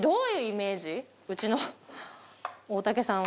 うちの大竹さんは。